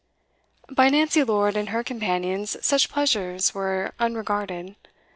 By Nancy Lord and her companions such pleasures were unregarded.